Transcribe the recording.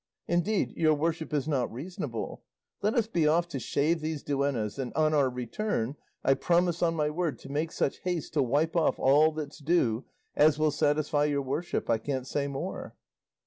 Indeed, your worship is not reasonable. Let us be off to shave these duennas; and on our return I promise on my word to make such haste to wipe off all that's due as will satisfy your worship; I can't say more."